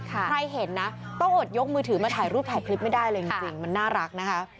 ใครเห็นนะต้องอดยกมือถือมาถ่ายรูปถ่ายคลิปไม่ได้เลยจริงมันน่ารักนะคะ